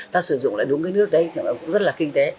ta sử dụng lại đúng cái nước đấy cũng rất là kinh tế